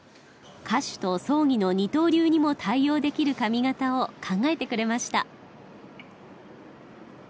歌手と葬儀の二刀流にも対応できる髪形を考えてくれました。